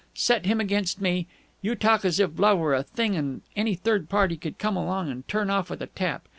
Set him against me! You talk as if love were a thing any third party could come along and turn off with a tap!